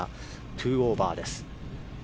２オーバーです。